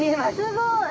すごい！